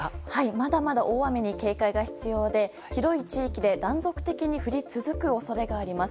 まだまだ大雨に警戒が必要で広い地域で断続的に降り続く恐れがあります。